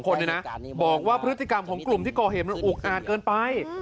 อีกสองคนนะบอกว่าพฤติกรรมของกลุ่มที่ก่อเหมือนอุ๊กอาดเกินไป